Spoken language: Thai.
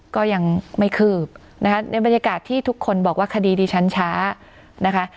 ก็ยังไม่คืบนะคะในบรรยากาศที่ทุกคนบอกว่าคดีดิฉันช้านะคะ